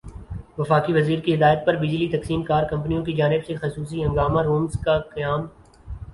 وفاقی وزیر کی ہدایت پر بجلی تقسیم کار کمپنیوں کی جانب سےخصوصی ہنگامی رومز کا قیام